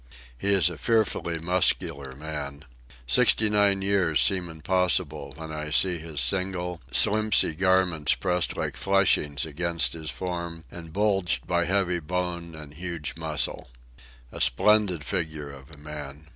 He is a fearfully muscular man. Sixty nine years seem impossible when I see his single, slimpsy garments pressed like fleshings against his form and bulged by heavy bone and huge muscle. A splendid figure of a man!